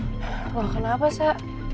wah kenapa seh